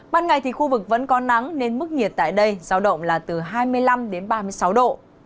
ban ngày thì khu vực vẫn có nắng nên mức nhiệt tại đây giao động là từ hai mươi năm đến ba mươi sáu độ